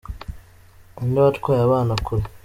Ninde watwaye abana kure?